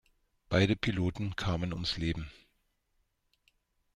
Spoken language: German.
Beide Piloten kamen ums Leben.